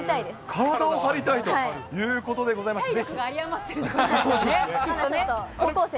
体を張りたいということでございましたね。